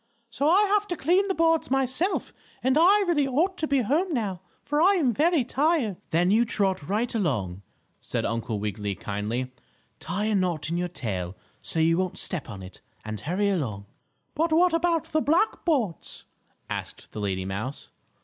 So I have to clean the boards myself. And I really ought to be home now, for I am very tired." "Then you trot right along," said Uncle Wiggily, kindly. "Tie a knot in your tail, so you won't step on it, and hurry along." "But what about the black boards?" asked the lady mouse.